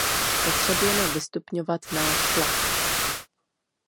Potřebujeme vystupňovat náš tlak.